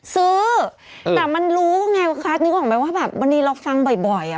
ซื้อแต่มันรู้คลาสนึกออกไปว่าแบบวันนี้เราฟังบ่อยอ่ะ